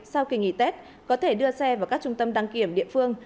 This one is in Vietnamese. sau kỳ nghỉ tết có thể đưa xe vào các trung tâm đăng kiểm địa phương